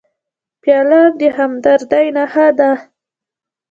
پیاله د همدردۍ نښه ده.